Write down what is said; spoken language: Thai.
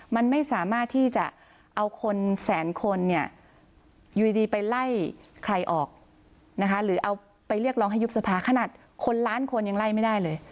มันไม่สามารถที่จะเอาคนแสนคนเนี่ยอยู่ดีไปไล่ใครออกนะคะหรือเอาไปเรียกร้องให้ยุบสภาขนาดคนล้านคนยังไล่ไม่ได้เลย